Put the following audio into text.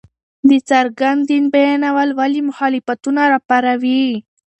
د څرګند دين بيانول ولې مخالفتونه راپاروي!؟